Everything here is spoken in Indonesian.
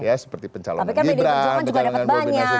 ya seperti pencalonan gibran pencalonan bobina zetion